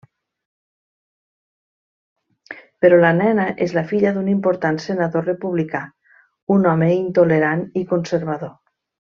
Però la nena és la filla d'un important Senador republicà, un home intolerant i conservador.